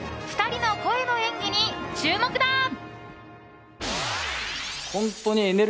２人の声の演技に注目だ。